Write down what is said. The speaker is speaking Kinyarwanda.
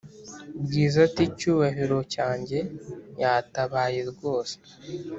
bwiza ati"cyubahiro cyanjye yatabaye rwose"